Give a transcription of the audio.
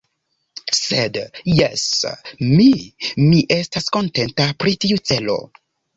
Sed, jes, mi... mi estas kontenta pri tiu celo.